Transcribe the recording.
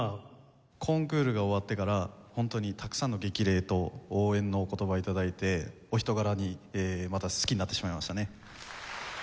コンクールが終わってから本当にたくさんの激励と応援のお言葉頂いてお人柄にまた好きになってしまいましたね。